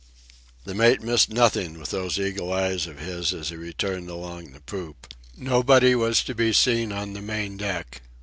The mate missed nothing with those eagle eyes of his as he returned along the poop. Nobody was to be seen on the main deck.